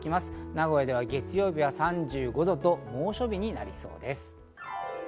名古屋では月曜日、３５度と猛暑日になりそうです。